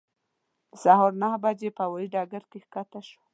د سهار نهه بجې په هوایي ډګر کې کښته شوم.